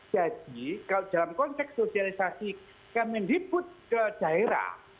jadi kalau dalam konsep sosialisasi kementerian diput ke jawa timur